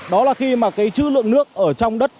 đó là khi mà cái chữ lượng nước ở trong đất